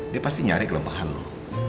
dia pasti nyari kelemahan loh